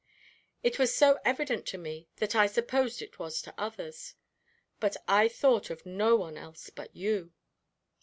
It was so evident to me, that I supposed it was to others. I thought of no one else but you.